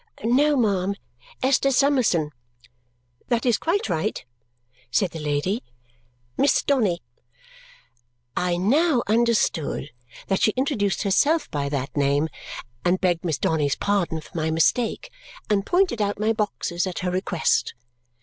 "No, ma'am, Esther Summerson." "That is quite right," said the lady, "Miss Donny." I now understood that she introduced herself by that name, and begged Miss Donny's pardon for my mistake, and pointed out my boxes at her request.